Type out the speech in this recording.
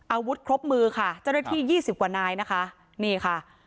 อาวุธครบมือค่ะเจ้าหน้าที่ยี่สิบกว่านายนะคะนี่ค่ะ